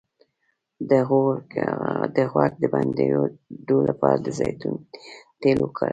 د غوږ د بندیدو لپاره د زیتون تېل وکاروئ